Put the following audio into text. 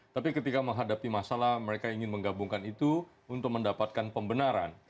tapi ketika menghadapi masalah mereka ingin menggabungkan itu untuk mendapatkan pembenaran